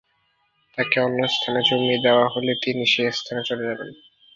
তাঁকে অন্য স্থানে জমি দেওয়া হলে তিনি সেই স্থানে চলে যাবেন।